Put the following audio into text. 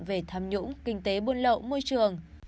về tham nhũng kinh tế buôn lậu môi trường